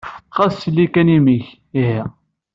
Xas ttelli kan imi-k, ihi!